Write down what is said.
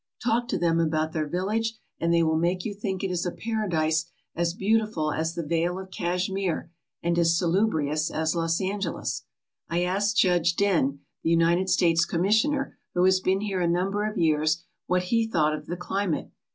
Talk to them about their village and they will make you think it a paradise as beautiful as the Vale of Kashmir and as salubrious as Los Angeles. I asked Judge Dehn, the United States Commissioner, who has been here a number of years, what he thought of the climate.